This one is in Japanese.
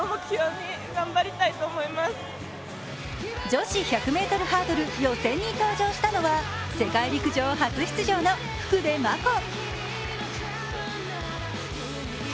女子１００ｍハードル予選に登場したのは世界陸上初出場の福部真子。